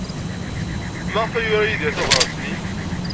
Maɣef ay yura Yidir tabṛat-nni?